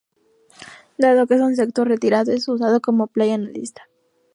Dado que es un sector retirado, es usado como playa nudista.